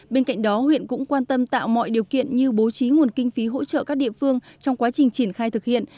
bên cạnh đó huyện cũng quan tâm tạo mọi điều kiện như bố trí nguồn kinh phí hỗ trợ các địa phương trong quá trình triển khai thực hiện